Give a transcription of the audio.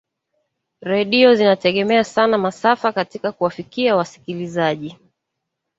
redio zinategemea sana masafa katika kuwafikia wasikilizaji